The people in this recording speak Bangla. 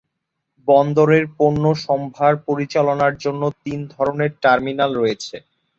বন্দরে পণ্য সম্ভার পরিচালনার জন্য তিন ধরনের টার্মিনাল রয়েছে।